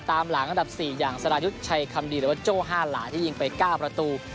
ตามหลังอันดับ๔อย่างสรายุทธ์ชัยคำดีหรือว่าโจ้๕หลาที่ยิงไป๙ประตู